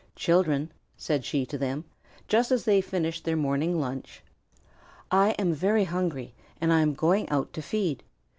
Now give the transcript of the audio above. "Children," said she to them, just as they finished their morning lunch, "I am very hungry and I am going out to feed.